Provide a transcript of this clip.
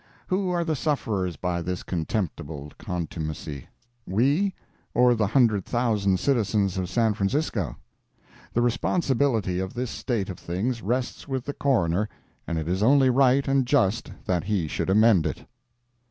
Who are the sufferers by this contemptible contumacy—we or the hundred thousand citizens of San Francisco? The responsibility of this state of things rests with the Coroner, and it is only right and just that he should amend it.